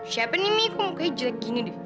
siapa nih mi kok mukanya jelek begini